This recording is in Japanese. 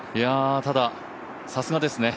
たださすがですね。